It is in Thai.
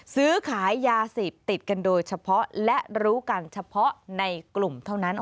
ซื้อขายยาเสพติดกันโดยเฉพาะและรู้กันเฉพาะในกลุ่มเท่านั้น